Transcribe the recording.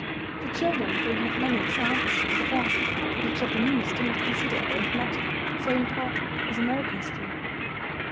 The children don't have many examples to perform, for the Japanese do not consider arithmetic so important as Americans do.